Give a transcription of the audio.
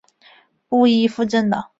不依附政党！